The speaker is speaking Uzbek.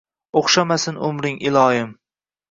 O’xshamasin umring, iloyim.